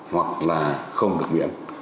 hoặc là không được miễn